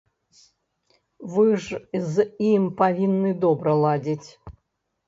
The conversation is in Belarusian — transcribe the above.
Вы ж з ім павінны добра ладзіць.